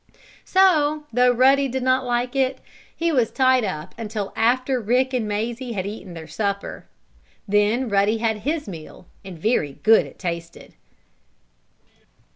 So, though Ruddy did not like it, he was tied up until after Rick and Mazie had eaten their supper. Then Ruddy had his meal, and very good it tasted.